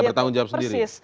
pertanggung jawab sendiri